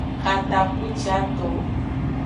Katakpuciaton.